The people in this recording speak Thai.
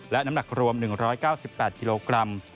และน้ำหนักรวม๑๙๘กิโลกรัม